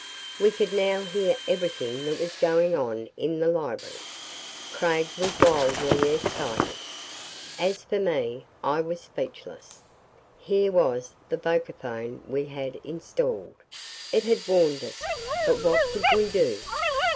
We could now hear everything that was going on in the library. Craig was wildly excited. As for me, I was speechless. Here was the vocaphone we had installed. It had warned us. But what could we do?